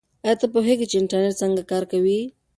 آیا ته پوهېږې چې انټرنیټ څنګه کار کوي؟